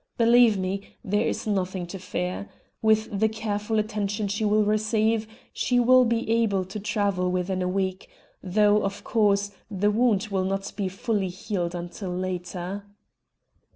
Believe me, there is nothing to fear. With the careful attention she will receive, she will be well able to travel within a week, though, of course, the wound will not be fully healed until later."